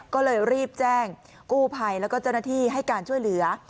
ก็เลยรีบแจ้งกู้ภัยแล้วก็เจ้าหน้าที่ให้การช่วยเหลือ